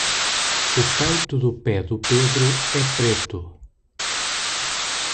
o peito do pé do pedro é preto